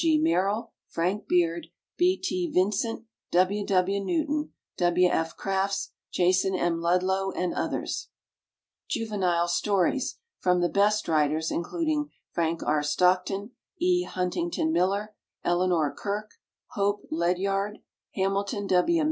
G. MERRILL, FRANK BEARD, B. T. VINCENT, W. W. NEWTON, W. F. CRAFTS, JAS. M. LUDLOW, and others. JUVENILE STORIES From the best writers, including FRANK R. STOCKTON, E. HUNTINGTON MILLER, ELEANOR KIRK, HOPE LEDYARD, HAMILTON W.